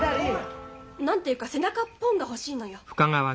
何て言うか背中ポンが欲しいのよ。